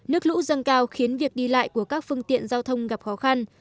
nước lũ dâng cao khiến việc đi lại của các phương tiện giao thông gặp khó khăn